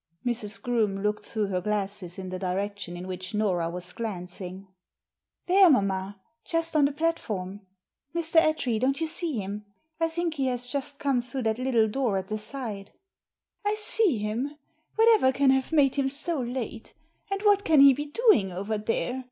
Mrs. Groome looked through her glasses in the direction in which Nora was glancing. Digitized by VjOOQIC_ A DOUBLE MINDED GENTLEMAN 237 U * 'There, mamma. Just on the platform. Mr. Attree, don't you see him? I think he has just come through that little door at the side." "I see him. Whatever can have made him so late? And what can he be doing over there